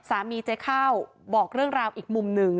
สามีเจ๊เข้าบอกเรื่องราวอีกมุมนึง